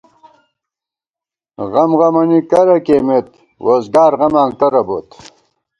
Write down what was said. غم غمَنی کرہ کېئیمت ووزگار غماں کرہ بوت